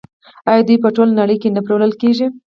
آیا دوی په ټوله نړۍ کې نه پلورل کیږي؟